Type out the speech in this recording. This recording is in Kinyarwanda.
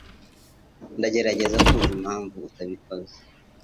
Ndagerageza kumva impamvu utabikoze.